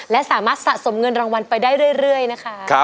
และสามารถสะสมเงินรางวัลไปได้เรื่อยนะคะ